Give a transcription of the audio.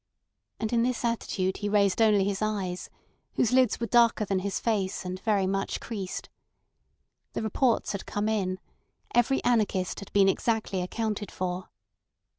And in this attitude he raised only his eyes, whose lids were darker than his face and very much creased. The reports had come in: every anarchist had been exactly accounted for.